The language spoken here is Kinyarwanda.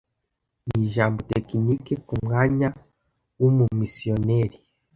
nijambo tekinike kumwanya wumumisiyoneri